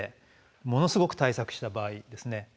ものすごく対策した場合ですね